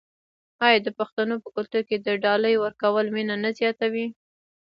آیا د پښتنو په کلتور کې د ډالۍ ورکول مینه نه زیاتوي؟